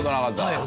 はい。